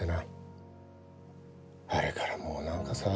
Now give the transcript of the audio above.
あれからもう何かさ